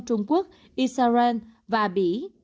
trung quốc israel và bỉ